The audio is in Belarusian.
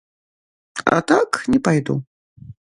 А так, не пайду.